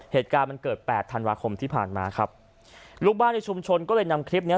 เหตุการณ์มันเกิดแปดธันวาคมที่ผ่านมาครับลูกบ้านในชุมชนก็เลยนำคลิปเนี้ย